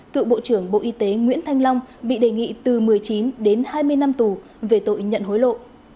cựu bộ trưởng bộ y tế nguyễn thanh long bị đề nghị từ một mươi chín đến hai mươi năm tù về tội nhận hối lộ